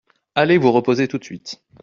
Allez vous reposer tout de suite…